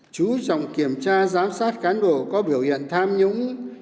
chú trọng kiểm tra giám sát cán bộ có biểu hiện tham nhũng